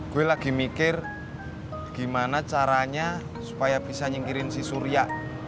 gue lagi mikir gimana caranya supaya bisa nyingkirin si surya